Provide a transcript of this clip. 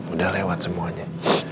udah lewat semuanya